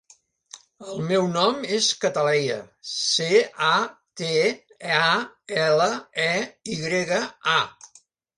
El meu nom és Cataleya: ce, a, te, a, ela, e, i grega, a.